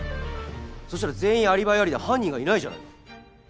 そしたら全員アリバイありで犯人がいないじゃないか。